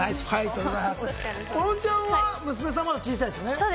おのちゃんは娘さん、まだ小さいですよね。